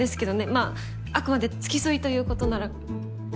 まああくまで付き添いということなら。